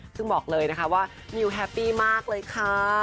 ซึ่งบอกเลยนะคะว่ามิวแฮปปี้มากเลยค่ะ